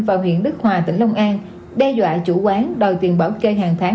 vào huyện đức hòa tỉnh long an đe dọa chủ quán đòi tiền bảo kê hàng tháng